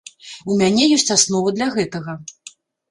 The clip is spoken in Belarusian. У мяне ёсць аснова для гэтага.